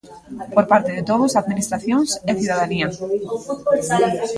"Por parte de todos, administracións e cidadanía".